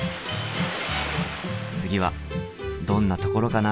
次はどんなところかな。